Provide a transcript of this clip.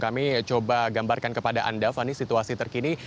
kami coba gambarkan kepada anda fani situasi terkini